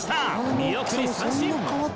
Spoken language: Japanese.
見送り三振！